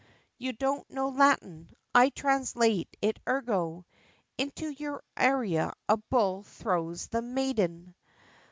You don't know Latin, I translate it ergo, Into your Areas a Bull throws the Maiden!